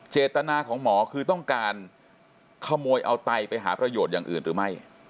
เจตนาของหมอคือต้องการขโมยเอาไตไปหาประโยชน์อย่างอื่นหรือไม่